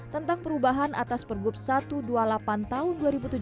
tentang perubahan atas pergub satu ratus dua puluh delapan tahun dua ribu tujuh belas